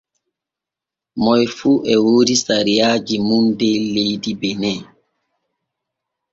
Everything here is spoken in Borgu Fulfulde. Moy fu e woodi sariaaji mun der leydi bene.